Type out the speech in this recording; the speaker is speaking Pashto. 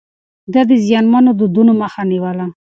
ده د زيانمنو دودونو مخه نيوله.